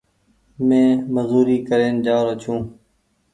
مينٚ مزوري ڪرين جآرو ڇو